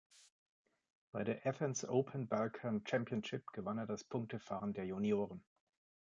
Bei der Athens Open Balkan Championship gewann er das Punktefahren der Junioren.